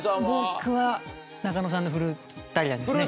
僕は中野さんのフルータリアンですね。